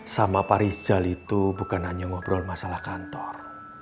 sama pak rizal itu bukan hanya ngobrol masalah kantor